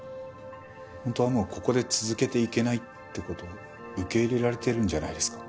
本当はもうここで続けていけないって事受け入れられてるんじゃないですか？